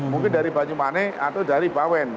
mungkin dari banyumane atau dari bawen